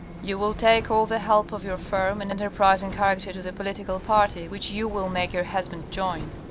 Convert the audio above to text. " You will take all the help of your firm and enterprising character to the political party which you will make your husband join.